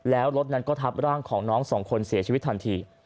แล้วรถนั้นก็ทับร่างของน้องสองคนเสียชีวิตทันที